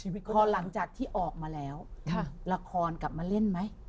พอหลังจากที่ออกมาแล้วละครกลับมาเล่นไหม